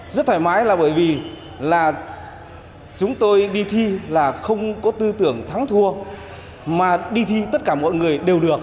rất thoải mái là bởi vì là chúng tôi đi thi là không có tư tưởng thắng thua mà đi thi tất cả mọi người đều được